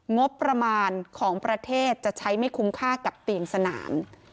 งบประมาณของประเทศจะใช้ไม่คุ้มค่ากับเตียงสนาม